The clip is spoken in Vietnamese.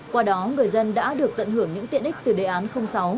qua đó người dân đã được tận hưởng những tiện ích từ đề án sáu